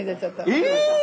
え⁉